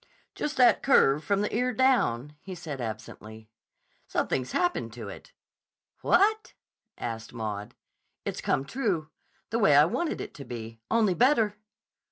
"Just that curve from the ear down," said he absently. "Something's happened to it." "What?" asked Maud. "It's come true. The way I wanted it to be. Only better."